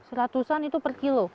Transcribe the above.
seratusan itu per kilo